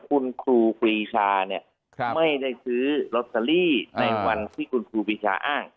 คุณครูปีชามันไม่ได้ซื้อแปลกรึดในวันที่คุณครูปีชาอ้าง